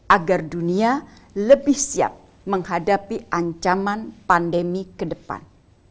agar dunia lebih siap menghadapi ancaman pandemi ke depan